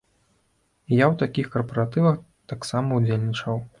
І я ў такіх карпаратывах таксама ўдзельнічаў.